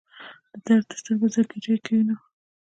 د درد دستور به زګیروی کوي نو.